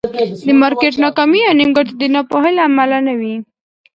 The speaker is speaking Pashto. د مارکېټ ناکامي یا نیمګړتیا د ناپوهۍ له امله نه وي.